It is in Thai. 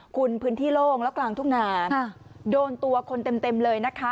คุณพื้นที่โล่งแล้วกลางทุ่งนาโดนตัวคนเต็มเลยนะคะ